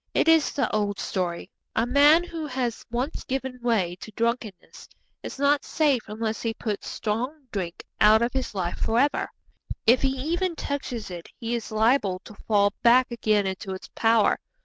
It is the old story. A man who has once given way to drunkenness is not safe unless he puts strong drink out of his life for ever. If he even touches it he is liable to fall back again into its power.